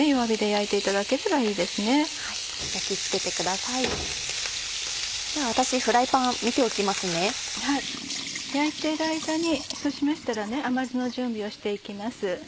焼いている間にそうしましたら甘酢の準備をして行きます。